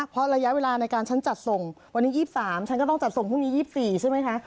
เพราะระยะเวลาในการฉันจัดส่งวันนี้๒๓ฉันก็ต้องจัดส่งพรุ่งนี้๒๔ใช่ไหมคะ